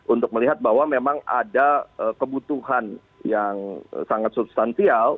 untuk melihat bahwa memang ada kebutuhan yang sangat substansial